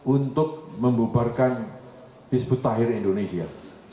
untuk membubarkan hizbut tahir indonesia